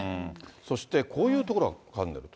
そしてこういうところが絡んでいると。